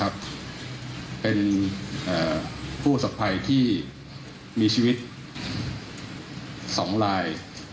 เป็นผู้สบภัยที่มีชีวิต๒ลาย